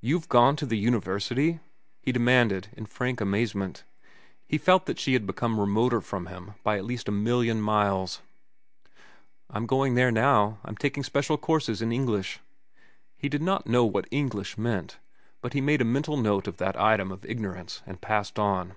"You've gone to the university?" he demanded in frank amazement. He felt that she had become remoter from him by at least a million miles. "I'm going there now. I'm taking special courses in English." He did not know what "English" meant, but he made a mental note of that item of ignorance and passed on.